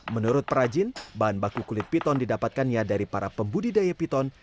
menurut perajin bahan baku kulit piton didapatkannya dari para pembudidaya piton